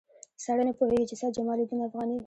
سړی نه پوهېږي چې سید جمال الدین افغاني.